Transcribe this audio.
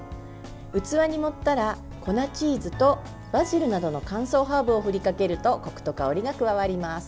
器に盛ったら粉チーズとバジルなどの乾燥ハーブを振りかけるとこくと香りが加わります。